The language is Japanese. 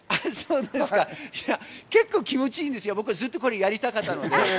結構気持ち良いんですよ、僕、ずっとこれがやりたかったので。